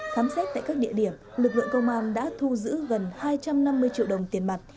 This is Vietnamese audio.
khám xét tại các địa điểm lực lượng công an đã thu giữ gần hai trăm năm mươi triệu đồng tiền mặt